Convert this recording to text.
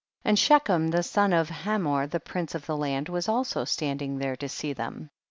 7. And Shechem the son of Hamor the prince of the land was also standing there to see them. 8.